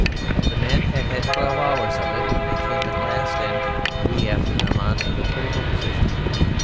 The men had had twelve hours of it when they came at last, and we after them, on to the critical position.